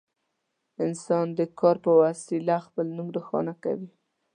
انسان د کار په وسیله خپل نوم روښانه کوي.